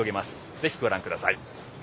ぜひご覧ください。